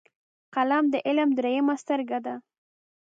قلم د علم دریمه سترګه ده